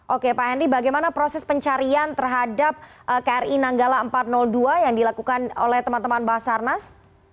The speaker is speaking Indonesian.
oke pak henry bagaimana proses pencarian terhadap kri nanggala empat ratus dua yang dilakukan oleh teman teman basarnas